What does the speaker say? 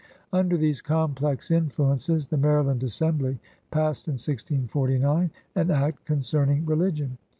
Under these complex influences the Maryland Assembly passed in 1649 an Act concerning Re ligion.